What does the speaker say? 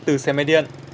từ xe máy điện